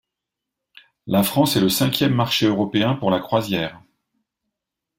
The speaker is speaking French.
La France est le cinquième marché européen pour la croisière.